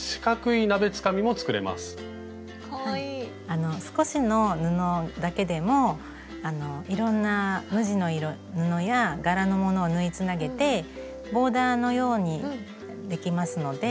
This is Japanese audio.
あの少しの布だけでもいろんな無地の布や柄のものを縫いつなげてボーダーのようにできますので。